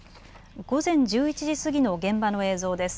午前１１時過ぎの現場の映像です。